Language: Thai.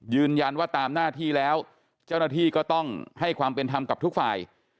ยืนยันว่าตามหน้าที่แล้วเจ้าหน้าที่ก็ต้องให้ความเป็นธรรมกับทุกฝ่าย